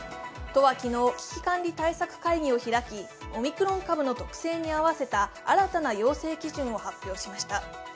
都は昨日、危機管理対策会議を開きオミクロン株の特性に合わせた新たな要請基準を発表しました。